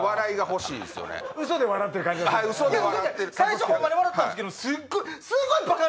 最初ホンマに笑うてたんですけどすっごい。